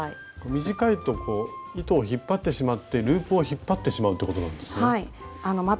短いと糸を引っ張ってしまってループを引っ張ってしまうってことなんですね。